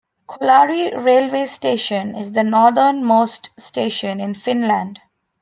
Kolari railway station is the northernmost station in Finland.